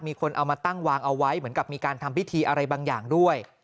มีคนเอามาตั้งวางเอาไว้เหมือนกับมีการทำพิธีอะไรบางอย่างด้วย